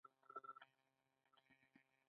د دې ګډېدو څخه مالي پانګه رامنځته کېږي